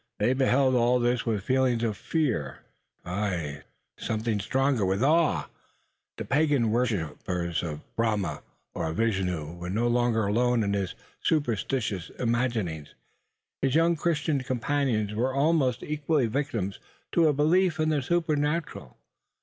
They beheld all this with feelings of fear ay, something stronger with awe. The Pagan worshipper of Brahma or Vishnu was no longer alone in his superstitious imaginings. His young Christian companions were almost equally victims to a belief in the supernatural.